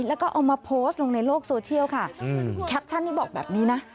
แล้วก็เอามาโพสต์ลงในโลกโซเชียลค่ะแคปชั่นนี้บอกแบบนี้นะ